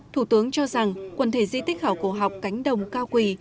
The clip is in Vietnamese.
thủ tướng cho rằng quần thể di tích khảo cổ học cánh đồng cao quỳ